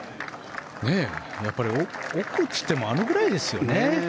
やっぱり奥っていってもあのくらいですよね。